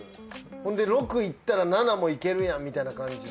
ほんで６いったら７もいけるやんみたいな感じで。